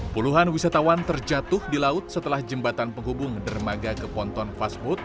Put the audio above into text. puluhan wisatawan terjatuh di laut setelah jembatan penghubung dermaga ke ponton fastboot